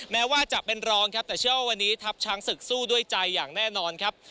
แม้ว่าจะเป็นรองครับแต่เชื่อว่าวันนี้ทัพช้างศึกสู้ด้วยใจอย่างแน่นอนครับ